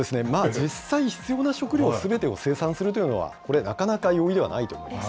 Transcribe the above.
実際、必要な食料すべてを生産するというのは、これ、なかなか容易ではないと思います。